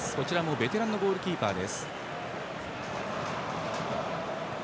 ベテランのゴールキーパーです。